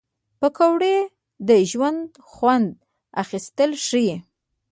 پکورې له ژونده خوند اخیستل ښيي